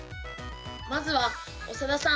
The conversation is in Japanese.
まずは長田さん。